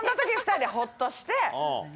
２人でホッとして。